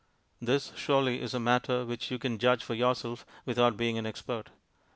This, surely, is a matter which you can judge for yourself without being an expert.